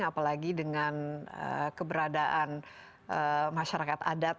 apalagi dengan keberadaan masyarakat adat